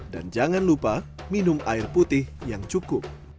dan jangan lupa minum air putih yang cukup